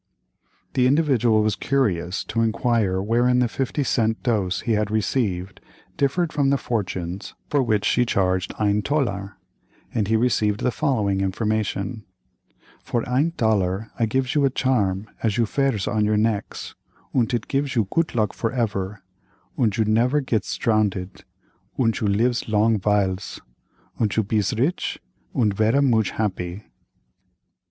The Individual was curious to inquire wherein the fifty cent dose he had received, differed from the fortunes for which she charged "ein tollar," and he received the following information: "For ein tollar I gifs you a charm as you vears on your necks, und it gifs you goot luck for ever, und you never gets drownded, und you lifs long viles, und you bees rich und vera mooch happy."